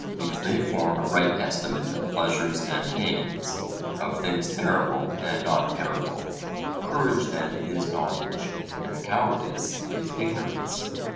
because they form a right estimate of pleasures and pains, of things terrible and not terrible. Courage then is knowledge, and cowardice is ignorance.